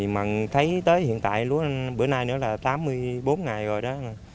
mặn thấy tới hiện tại lúa bữa nay nữa là tám mươi bốn ngày rồi đó